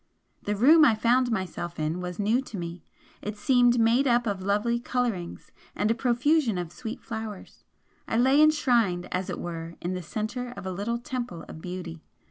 The room I found myself in was new to me it seemed made up of lovely colourings and a profusion of sweet flowers I lay enshrined as it were in the centre of a little temple of beauty.